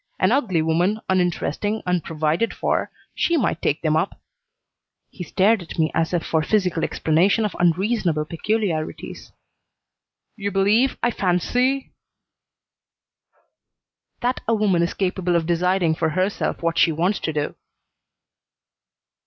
An ugly woman, uninteresting, unprovided for she might take them up." He stared at me as if for physical explanation of unreasonable peculiarities. "You believe, I fancy " "That a woman is capable of deciding for herself what she wants to do."